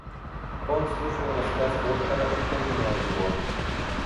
Он слушал рассказ доктора и понимал его.